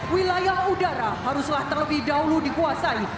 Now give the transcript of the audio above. wilayah udara haruslah terlebih dahulu dikuasai